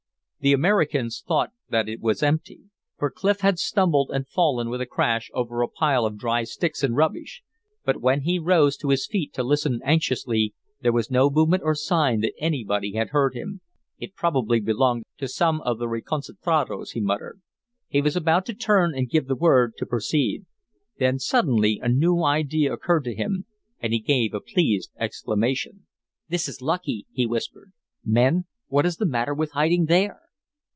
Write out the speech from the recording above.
The Americans thought that it was empty, for Clif had stumbled and fallen with a crash over a pile of dry sticks and rubbish. But when he rose to his feet to listen anxiously there was no movement or sign that anybody had heard him. "It probably belonged to some of the reconcentrados," he muttered. He was about to turn and give the word to proceed. Then suddenly a new idea occurred to him, and he gave a pleased exclamation. "This is lucky!" he whispered. "Men, what is the matter with hiding there?"